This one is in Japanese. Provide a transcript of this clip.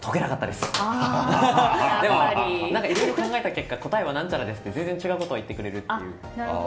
でも、いろいろ考えた結果答えは何ちゃらですって全然違うことを言ってくれるという。